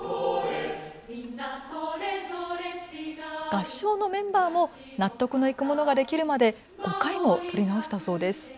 合唱メンバーも納得のいくものができるまで５回も、とり直したそうです。